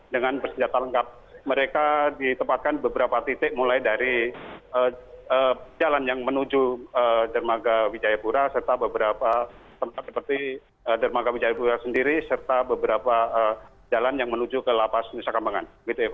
dengan bersenjata lengkap mereka ditempatkan beberapa titik mulai dari jalan yang menuju dermaga wijayapura serta beberapa tempat seperti dermaga wijayapura sendiri serta beberapa jalan yang menuju ke lapas nusa kambangan